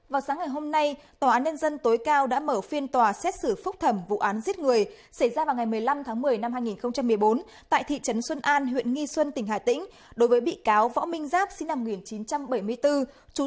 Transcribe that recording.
các bạn hãy đăng ký kênh để ủng hộ kênh của chúng mình nhé